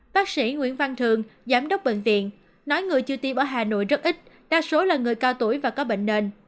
bác sĩ nguyễn văn thường giám đốc bệnh viện nói người chưa tiêm ở hà nội rất ít đa số là người cao tuổi và có bệnh nền